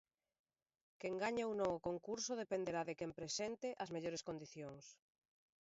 Quen gañe ou non o concurso dependerá de quen presente as mellores condicións.